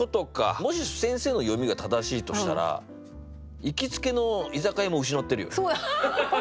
もし先生の読みが正しいとしたら行きつけの居酒屋も失ってるよね。